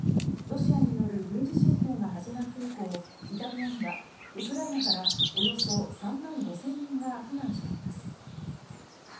ロシアによる軍事侵攻が始まって以降イタリアにはウクライナからおよそ３万５０００人が避難しています。